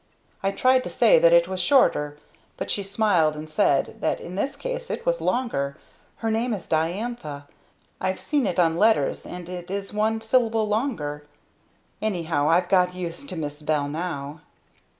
I tried to say that it was shorter, but she smiled and said that in this case it was longer! Her name is Diantha I've seen it on letters. And it is one syllable longer. Anyhow I've got used to Miss Bell now."